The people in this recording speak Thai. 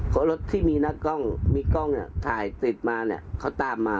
เพราะรถที่มีกล้องถ่ายติดมาเขาตามมา